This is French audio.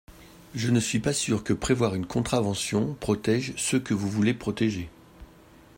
Je ne suis pas sûr que prévoir une contravention protège ceux que vous voulez protéger.